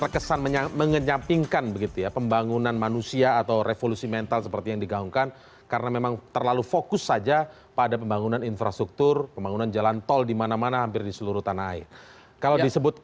kami akan kembali setelah jadwal berikut